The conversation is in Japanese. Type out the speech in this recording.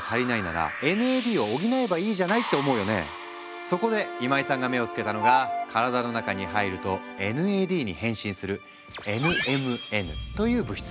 じゃあそこで今井さんが目を付けたのが体の中に入るとＮＡＤに変身するＮＭＮという物質。